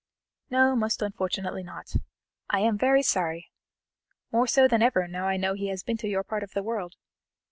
"No, most unfortunately not. I am very sorry, more so than ever now I know he has been to your part of the world.